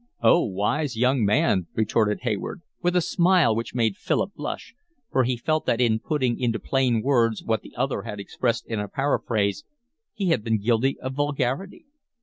"Oh wise young man!" retorted Hayward, with a smile which made Philip blush, for he felt that in putting into plain words what the other had expressed in a paraphrase, he had been guilty of vulgarity.